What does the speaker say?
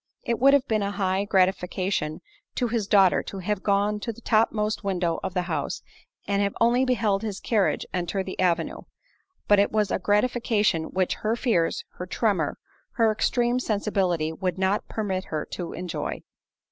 It would have been a high gratification to his daughter to have gone to the topmost window of the house, and have only beheld his carriage enter the avenue; but it was a gratification which her fears, her tremor, her extreme sensibility would not permit her to enjoy.